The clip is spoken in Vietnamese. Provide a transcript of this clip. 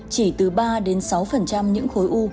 chỉ từ ba sáu những khối u